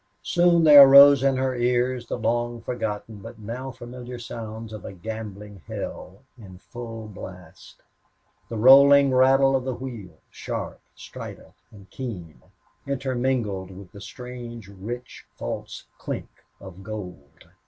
Soon there arose in her ears the long forgotten but now familiar sounds of a gambling hell in full blast. The rolling rattle of the wheel, sharp, strident, and keen, intermingled with the strange rich false clink of gold.